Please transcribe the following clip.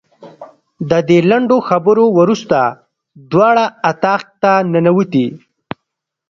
د دې لنډو خبرو وروسته دواړه اتاق ته ننوتې.